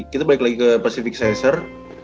kita balik lagi ke pacific cezer